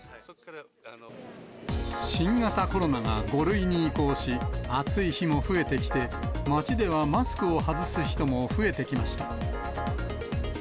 新型コロナが５類に移行し、暑い日も増えてきて、街ではマスクを外す人も増えてきました。